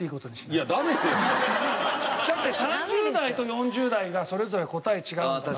だって３０代と４０代がそれぞれ答え違うんだから。